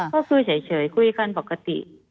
ก็คือเฉยคุยกันปกติ